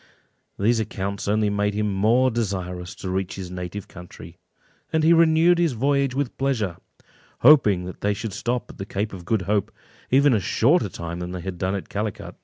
These accounts only made him more desirous to reach his native country, and he renewed his voyage with pleasure, hoping that they should stop at the Cape of Good Hope even a shorter time than they had done at Calicut.